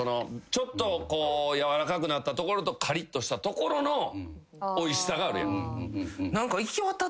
ちょっとやわらかくなったところとかりっとしたところのおいしさがあるやん。